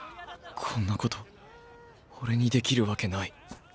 こんなこと俺にできるわけない。